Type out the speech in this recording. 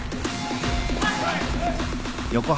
はい！